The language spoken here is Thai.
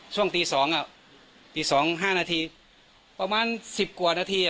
ช่วงตี๒ตี๒๕นาทีประมาณ๑๐กว่านาที